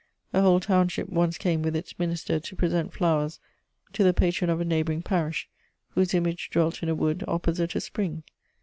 A whole township once came with its minister to present flowers to the patron of a neighbouring parish, whose image dwelt in a wood, opposite a spring.